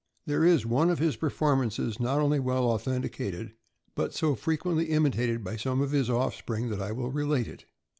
There is one of his performances, not only well authenticated, but so fre quently imitated by some of his offspring that I will relate it.